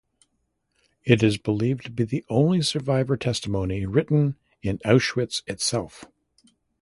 It is believed to be the only survivor testimony written in Auschwitz itself.